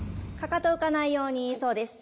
５かかと浮かないようにそうです。